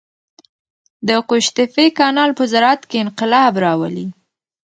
د قوشتېپې کانال په زراعت کې انقلاب راولي.